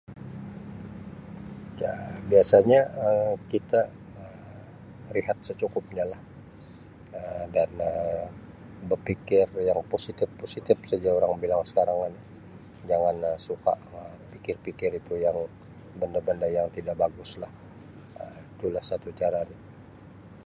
Um Biasanya Um kita Um rehat secukupnya lah Um dan Um bepikir yang positip-positip saja orang bilang sekarang ini jangan Um suka Um pikir-pikir itu yang benda-benda yang tida bagus lah Um itu lah satu cara dia.